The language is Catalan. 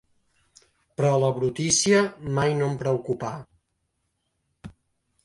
Però la brutícia mai no em preocupà.